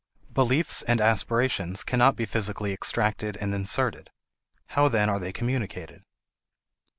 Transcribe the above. Beliefs and aspirations cannot be physically extracted and inserted. How then are they communicated?